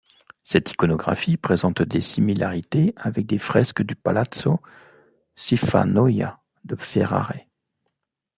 Cette iconographie présente des similarités avec des fresques du Palazzo Schifanoia de Ferrare.